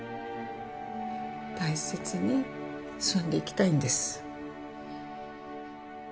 大切に住んでいきたいんです。